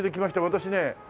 私ね